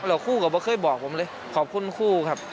แล้วคู่กับว่าเคยบอกผมเลยขอบคุณคู่ครับ